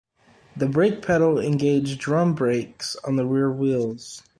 The brake pedal engaged drum brakes on the rear wheels.